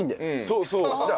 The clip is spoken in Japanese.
そうそう。